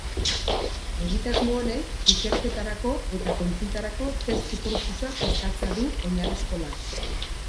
Egitasmo honek ikerketarako eta kontsultarako testu-corpusa prestatzea du oinarrizko lan.